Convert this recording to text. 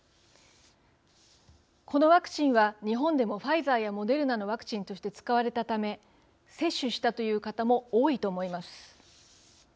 このワクチンは日本でもファイザーやモデルナのワクチンとして使われたため接種したという方も多いと思います。